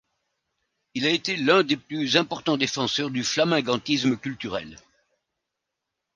Il a été l'un des plus importants défenseurs du flamingantisme culturel.